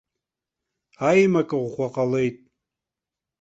Аимак ӷәӷәа ҟалеит.